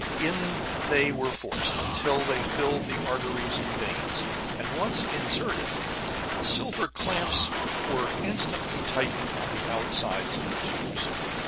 In they were forced, until they filled the arteries and veins; and once inserted, silver clamps were instantly tightened on the outsides of the tubes.